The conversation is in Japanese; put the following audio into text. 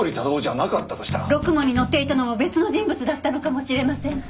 ろくもんに乗っていたのも別の人物だったのかもしれません。